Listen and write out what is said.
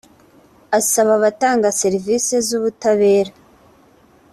Asaba abatanga serivisi z’ubutabera